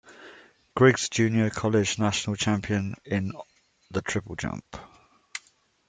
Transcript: Griggs Junior College National Champion in the triple jump.